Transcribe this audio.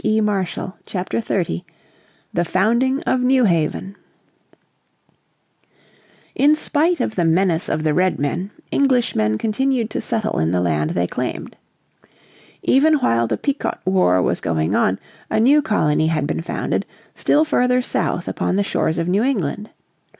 __________ Chapter 30 The Founding of New Haven In spite of the menace of the Redmen, Englishmen continued to settle in the land they claimed. Even while the Pequot war was going on a new colony had been founded, still further south upon the shores of New England.